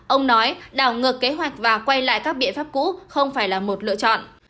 ông nói đảo ngược kế hoạch và quay lại các biện pháp cũ không phải là một lựa chọn